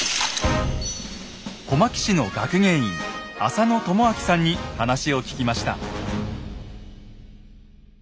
小牧市の学芸員浅野友昭さんに話を聞きました。